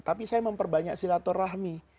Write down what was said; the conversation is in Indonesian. tapi saya memperbanyak silaturahmi